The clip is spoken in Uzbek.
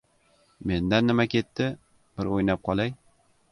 "Mendan nima ketdi, bir o‘ynab qolay.